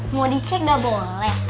mau dicek gak boleh